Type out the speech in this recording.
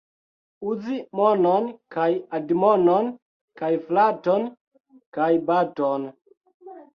Uzi monon kaj admonon kaj flaton kaj baton.